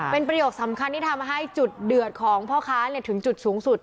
เป็นประโยคสำคัญที่ทำให้จุดเดือดของพ่อค้าถึงจุดสูงสุด